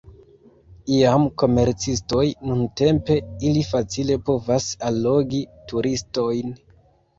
Iamaj komercistoj, nuntempe, ili facile povas allogi turistojn.